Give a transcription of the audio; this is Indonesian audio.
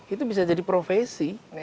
itu bisa jadi profesi